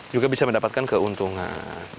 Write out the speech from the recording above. juga bisa mendapatkan keuntungan